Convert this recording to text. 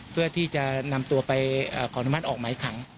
เพื่อที่จะนำตัวไปขออนุมัติออกหมายขัง